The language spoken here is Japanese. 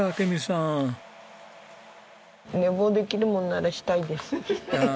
寝坊できるもんならしたいです。